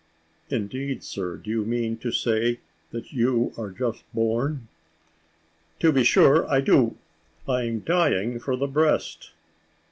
"Indeed, sir, do you mean to say that you are just born?" "To be sure I do. I'm dying for the breast."